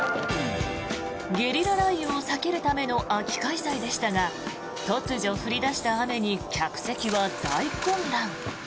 ゲリラ雷雨を避けるための秋開催でしたが突如降り出した雨に客席は大混乱。